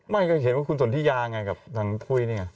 ไม่ก็เห็นว่าคุณสนทิยาไงกับทางปุ้ยนี่ไง